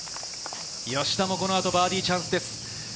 吉田もこの後、バーディーチャンスです。